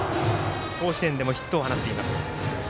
甲子園でもヒットを放っています。